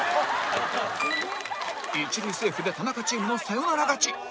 一塁セーフで田中チームのサヨナラ勝ち